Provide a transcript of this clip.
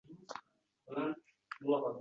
Men ikkala yukni ham ko‘tarishga majbur edim